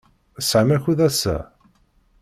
Tesɛam akud ass-a?